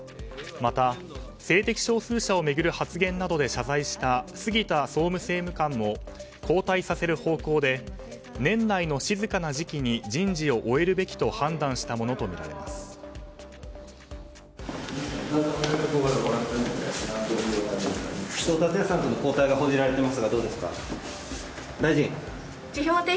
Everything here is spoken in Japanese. また、性的少数者を巡る発言などで謝罪した杉田総務政務官も交代させる方向で年内の静かな時期に人事を終えるべきと判断したものとみられます。